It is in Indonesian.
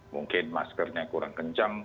mungkin maskernya kurang kencang